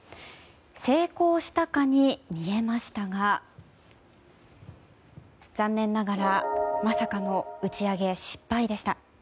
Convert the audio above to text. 成功したかに見えましたが残念ながらまさかの打ち上げ失敗でした。